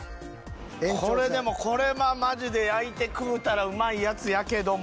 これでもこれはマジで焼いて食うたらうまいやつやけども。